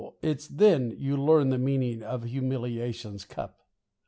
it's then you learn the meaning of humiliation's cup.